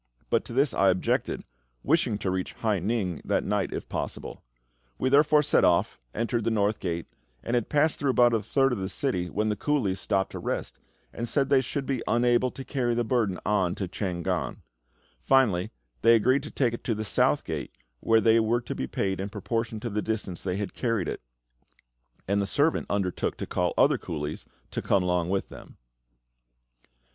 But to this I objected, wishing to reach Hai ning that night if possible. ... We therefore set off, entered the North Gate, and had passed through about a third of the city, when the coolies stopped to rest, and said they should be unable to carry the burden on to Chang gan. Finally, they agreed to take it to the South Gate, where they were to be paid in proportion to the distance they had carried it; and the servant undertook to call other coolies and come along with them.